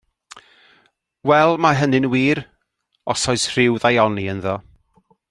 Wel, mae hynny yn wir, os oes rhyw ddaioni ynddo.